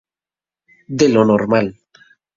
De lo normal.